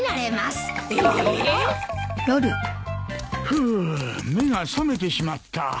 ふう目が覚めてしまった。